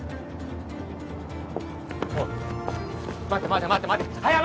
おい待て待て待て待て早まるな！